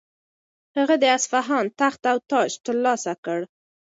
هغه د اصفهان تخت او تاج ترلاسه کړ.